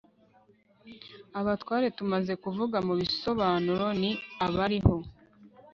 abatware tumaze kuvuga mu bisobanuro, ni abariho